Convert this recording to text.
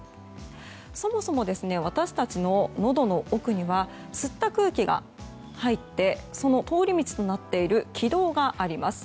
そもそも私たちの、のどの奥には吸った空気が入ってその通り道となっている気道があります。